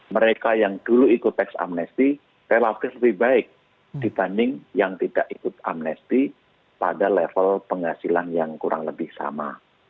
mereka yang dulu ikut teks amnesti relatif lebih baik dibanding yang tidak ikut amnesti pada level penghasilan yang kurang lebih sama